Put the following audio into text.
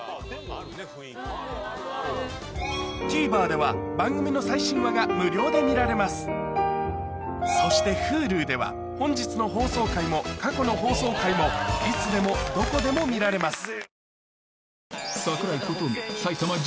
ＴＶｅｒでは番組の最新話が無料で見られますそしてＨｕｌｕでは本日の放送回も過去の放送回もいつでもどこでも見られます